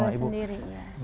iya adul sendiri